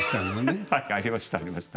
ハハッはいありましたありました。